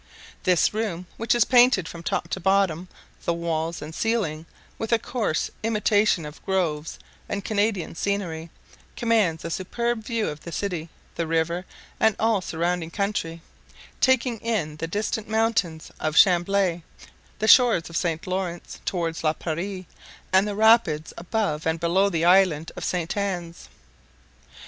This room, which is painted from top to bottom, the walls and ceiling, with a coarse imitation of groves and Canadian scenery, commands a superb view of the city, the river, and all surrounding country, taking in the distant mountains of Chamblay, the shores of St. Laurence, towards La Prairie, and the rapids above and below the island of St. Anne's.